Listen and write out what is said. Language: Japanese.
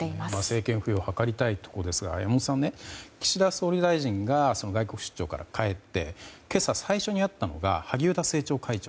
政権浮揚を図りたいところですが山本さん、岸田総理大臣が外国出張から帰って今朝、最初に会ったのが萩生田政調会長。